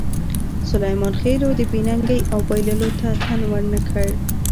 سلیمان خېلو د بې ننګۍ او بایللو ته تن ور نه کړ.